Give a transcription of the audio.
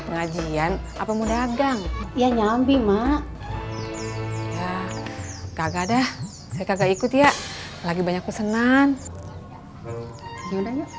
ulangian apa mau dagang yang nyambi participar kagak dah ga ikut ya lagi banyaku senang yaudah